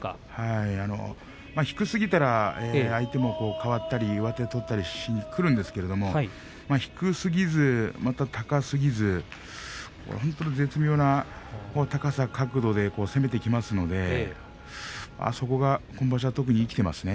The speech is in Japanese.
低すぎたら相手も変わったり上手を取ったりしにくるんですけれど低すぎず高すぎず絶妙な高さ、角度で攻めてきますので今場所はそれが生きていますね。